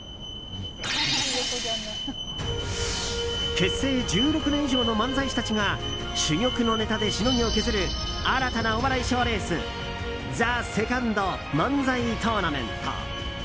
結成１６年以上の漫才師たちが珠玉のネタでしのぎを削る新たなお笑い賞レース「ＴＨＥＳＥＣＯＮＤ漫才トーナメント」。